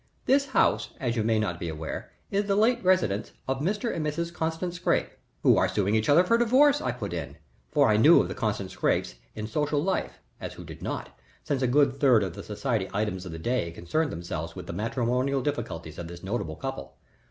This house, as you may not be aware, is the late residence of Mr. and Mrs. Constant Scrappe " "Who are suing each other for divorce," I put in, for I knew of the Constant Scrappes in social life, as who did not, since a good third of the society items of the day concerned themselves with the matrimonial difficulties of this notable couple.